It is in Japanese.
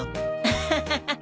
ハハハハ。